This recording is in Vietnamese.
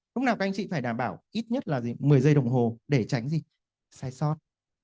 lúc nào các anh chị phải đảm bảo ít nhất là một mươi giây đồng hồ để tránh dịch sai sót